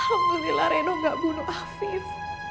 alhamdulillah reno tidak membunuh afif